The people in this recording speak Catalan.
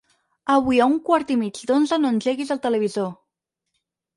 Avui a un quart i mig d'onze no engeguis el televisor.